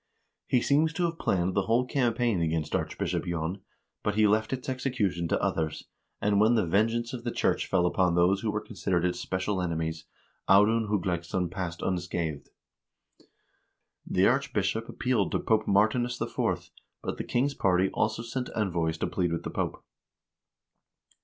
He seems to have planned the whole campaign against Archbishop Jon, but he left its execution to others, and when the vengeance of the church fell upon those who were considered its special enemies, Audun Hugleiksson passed unscathed. The archbishop appealed to Pope Martinus IV., but the king's party also sent envoys to plead with the Pope.